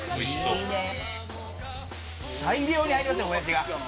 大量に入りますね、モヤシが。